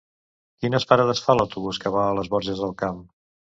Quines parades fa l'autobús que va a les Borges del Camp?